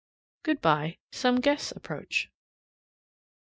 Good by; some guests approach.